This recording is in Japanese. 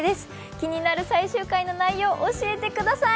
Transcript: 気になる最終回の内容を教えてください。